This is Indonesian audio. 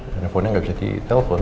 teleponnya gak bisa di telpon